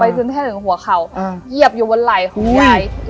ไปถึงแท่เหล่นหัวเขาอืมเยียบอยู่บนไหล่ของเย้